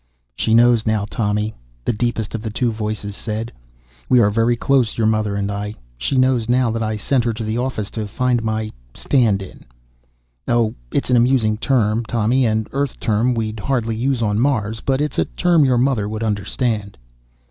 "She knows now, Tommy," the deepest of the two voices said. "We are very close, your mother and I. She knows now that I sent her to the office to find my 'stand in.' Oh, it's an amusing term, Tommy an Earth term we'd hardly use on Mars. But it's a term your mother would understand."